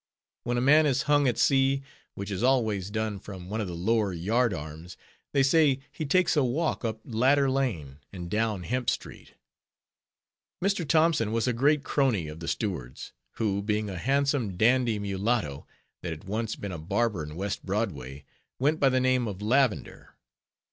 When a man is hung at sea, which is always done from one of the lower yard arms, they say he "takes a walk up Ladder lane, and down Hemp street." Mr. Thompson was a great crony of the steward's, who, being a handsome, dandy mulatto, that had once been a barber in West Broadway, went by the name of Lavender.